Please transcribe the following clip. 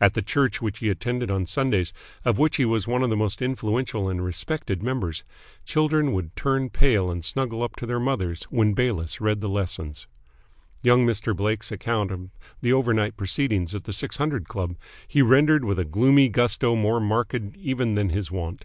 At the church which he attended on Sundays, of which he was one of the most influential and respected members, children would turn pale and snuggle up to their mothers when Bayliss read the lessons. Young Mr. Blake's account of the overnight proceedings at the Six Hundred Club he rendered with a gloomy gusto more marked even than his wont.